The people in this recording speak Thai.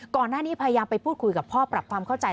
ก่อนหน้านี้พยายามไปพูดคุยกับพ่อปรับความเข้าใจ